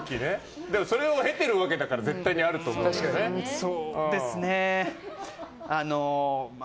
それを経てるわけだから絶対にあると思うんですよね。